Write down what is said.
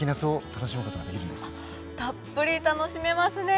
たっぷり楽しめますね。